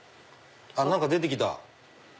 何か出てきた。